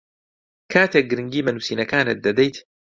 کاتێک گرنگی بە نووسینەکانت دەدەیت